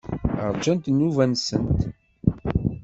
Ṛjant nnuba-nsent.